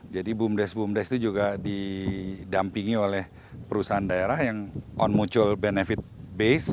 jadi bumdes bumdes itu juga didampingi oleh perusahaan daerah yang on mutual benefit base